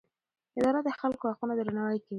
اداره د خلکو حقونه درناوی کوي.